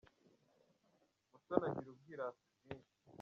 Mutoni agira ubwirasi bwinshi.